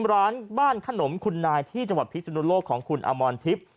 ร้านบ้านขนมคุณนายที่จังหวัดพิศนุโลกของคุณอมรทิพย์